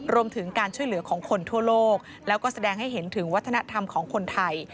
รวมถึงการช่วยเหลือของคนทั่วโลกแล้วก็แสดงให้เห็นถึงวัฒนธรรมของคนไทย